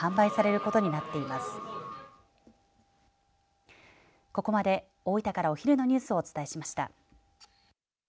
ここまで大分からお昼のニュースをお伝えしました。